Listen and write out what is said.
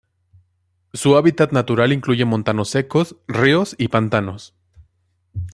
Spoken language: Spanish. Su hábitat natural incluye montanos secos, ríos y pantanos.